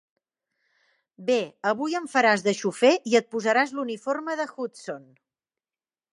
Bé, avui em faràs de xofer i et posaràs l'uniforme de Hudson.